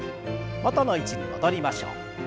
元の位置に戻りましょう。